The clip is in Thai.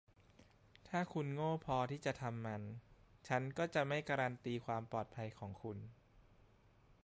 ถ้าคุณโง่พอที่จะทำมัน ฉันก็จะไม่การันตีความปลอดภัยของคุณ